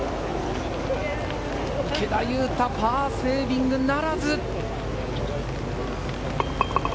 池田勇太、パーセービングならず。